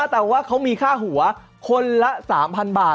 แต่ว่าเขามีค่าหัวคนละ๓๐๐๐บาท